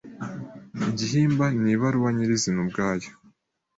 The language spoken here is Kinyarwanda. Igihimba ni ibaruwa nyirizina ubwayo.